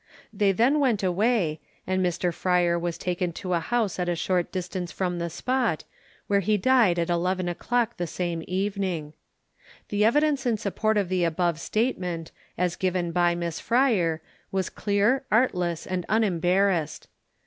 They then went away, and Mr. Fryer was taken to a house at a short distance from the spot, where he died at eleven o'clock the same evening. The evidence in support of the above statement, as given by Miss Fryer, was clear, artless, and unembarassed.